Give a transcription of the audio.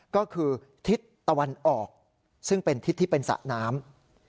ก็คือทิศตะวันออกซึ่งเป็นทิศที่เป็นสระน้ำ